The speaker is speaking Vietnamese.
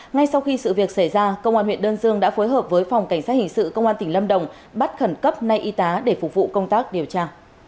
ngay sau khi sự việc xảy ra công an huyện đơn dương đã phối hợp với phòng cảnh sát hình sự công an tỉnh lâm đồng bắt khẩn cấp nay y tá để phục vụ công tác điều tra